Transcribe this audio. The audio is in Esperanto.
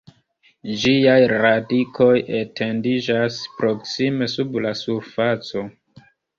Ĝiaj radikoj etendiĝas proksime sub la surfaco.